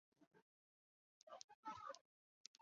首府盖贝莱。